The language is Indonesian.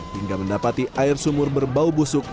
hingga mendapati air sumur berbau busuk